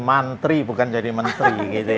mantri bukan jadi menteri